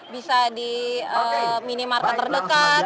bisa di mini market terdekat